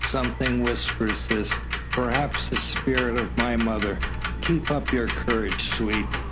Something whispers this perhaps the spirit of my mother? Keep up your courage, sweet!